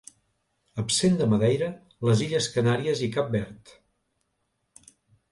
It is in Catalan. Absent de Madeira, les Illes Canàries i Cap Verd.